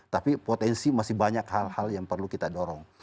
tapi potensi masih banyak hal hal yang perlu kita dorong